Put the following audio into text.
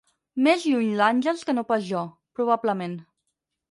Més lluny l'Àngels que no pas jo, probablement.